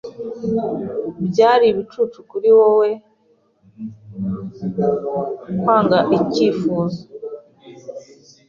Byari ibicucu kuri wewe kwanga icyifuzo.